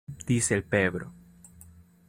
Dice el Pbro.